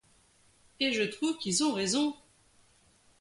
Et je trouve qu’ils ont raison.